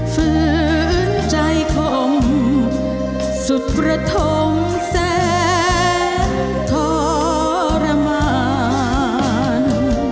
ฝื้นใจกลมสุดประทงแสงขอรมณ์